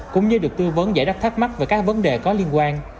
cũng như được tư vấn giải đáp thắc mắc về các vấn đề có liên quan